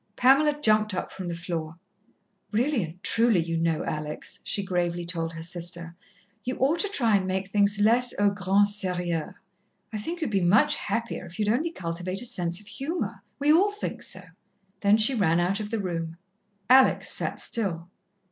Pamela jumped up from the floor. "Really and truly, you know, Alex," she gravely told her sister, "you ought to try and make things less au grand sérieux. I think you'd be much happier, if you'd only cultivate a sense of humour we all think so." Then she ran out of the room. Alex sat still.